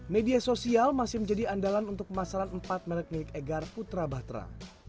media sosial masih menjadikan dalang untuk gemasalan empat merk milik egar putrabaja